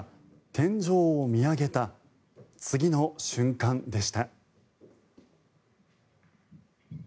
天井を見上げた次の瞬間でした。